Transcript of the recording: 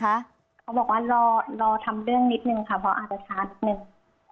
เขาบอกว่ารอทำเรื่องนิดนึงค่ะเพราะอาจจะช้านิดนึง